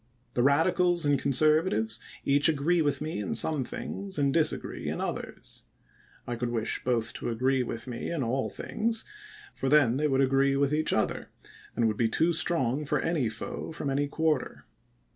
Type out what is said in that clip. The Radicals and Conservatives each agree with me in some things and disagree in others. I could wish both to agree with me in all things ; for then they would agree with each other, and would be too strong for any foe from any quarter.